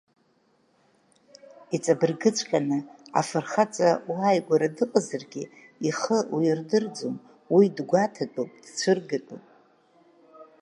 Иҵабыргыҵәҟьаны, афырхаҵа уааигәара дыҟазаргьы, ихы уирдырӡом, уи дгәаҭатәуп, дцәыргатәуп.